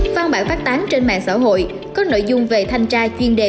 văn bản phát tán trên mạng xã hội có nội dung về thanh tra chuyên đề